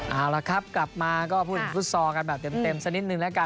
เอาละครับกลับมาก็พูดถึงฟุตซอลกันแบบเต็มสักนิดนึงแล้วกัน